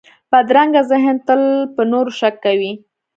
بدرنګه ذهن تل پر نورو شک کوي